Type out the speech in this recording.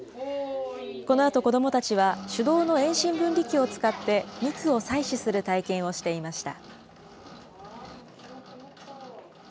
このあと子どもたちは、手動の遠心分離機を使って、蜜を採取する体験をしていました。